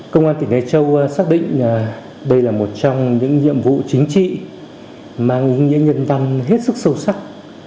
công an tỉnh nghệ châu xác định đây là một trong những nhiệm vụ chính trị mang nhân văn hết sức sâu sắc